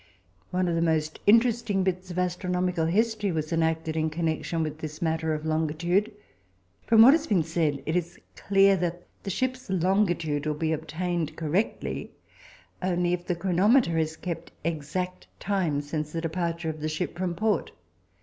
One of the most interesting bits of astronomical history was enacted in connection with this matter of longitude. From what has been said, it is clear that the ship's longitude will be obtained correctly only if the chronometer has kept exact time since the departure of the ship from port.